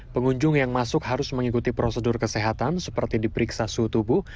pengunjung yang masuk harus mengikuti prosedur kesehatan seperti diperiksa suhu tubuh